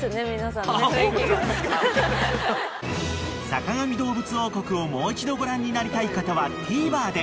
［『坂上どうぶつ王国』をもう一度ご覧になりたい方はＴＶｅｒで］